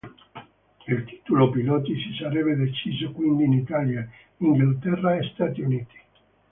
Il titolo piloti si sarebbe deciso quindi in Italia, Inghilterra e Stati Uniti.